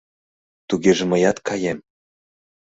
Тугеже мыят каем.